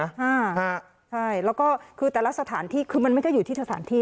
ใช่แล้วก็คือแต่ละสถานที่คือมันไม่ได้อยู่ที่สถานที่